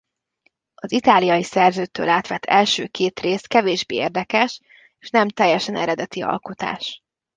Az itáliai szerzőtől átvett első két rész kevésbé érdekes és nem teljesen eredeti alkotás.